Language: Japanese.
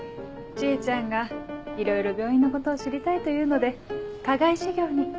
知恵ちゃんがいろいろ病院のことを知りたいというので課外授業に。